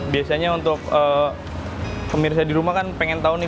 biasanya untuk pemirsa di rumah kan pengen tahu nih